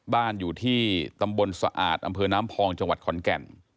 บ้านอยู่ที่ตำบลสะอาดอำเภอน้ำพองจังหวัดขอนแก่น